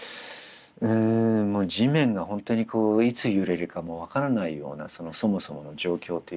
うん地面が本当にこういつ揺れるかも分からないようなそのそもそもの状況というものがあって。